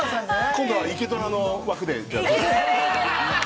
◆今度は「イケドラ」の枠で。